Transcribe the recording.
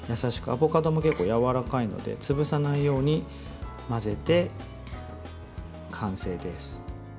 アボカドも結構やわらかいので潰さないように混ぜて完成です。